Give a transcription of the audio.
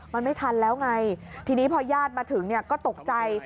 มันไม่ทันแล้วไงทีนี้พอญาติมาถึงเนี่ยก็ตกใจ